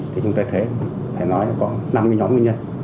thì chúng tôi thấy phải nói có năm nhóm nguyên nhân